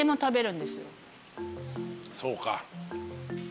そうか。